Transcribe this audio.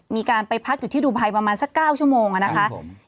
มีการไปพักอยู่ที่ดูภัยประมาณสัก๙ชั่วโมงนะคะ